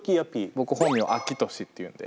僕本名アキトシっていうんで。